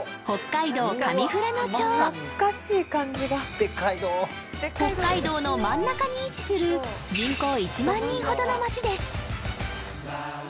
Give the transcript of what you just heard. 北海道の真ん中に位置する人口１万人ほどの町です